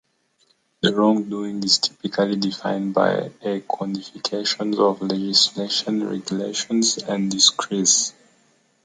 The wrongdoing is typically defined by a codification of legislation, regulations, and decrees.